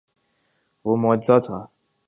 وہ معجزہ تھا۔